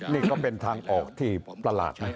นี่ก็เป็นทางออกที่ประหลาดนะ